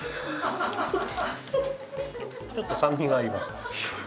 ちょっと酸味がありますね。